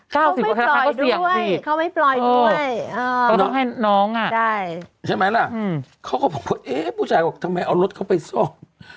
เขาไม่ปล่อยด้วยเขาต้องให้น้องอะใช่ไหมล่ะเอ๊ผู้ชายทำไมเอารถเขาไปซ่อม